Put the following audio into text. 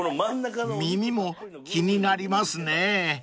［耳も気になりますね］